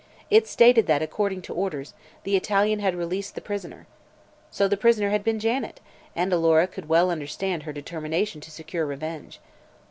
It stated that, according to orders, the Italian had "released the prisoner." So the prisoner had been Janet, and Alora could well understand her determination to secure revenge.